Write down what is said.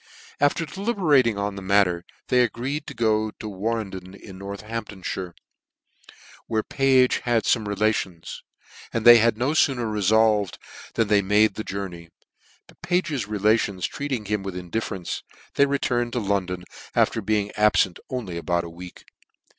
After deliberating on the matter, they agreed to go td Warnden in Northampfhire, where Page had fome relations : and they had no fooner refolved than they made the journey : but Page's re lations treating him with indifference, they re turned to London after being abfent only aboui a week.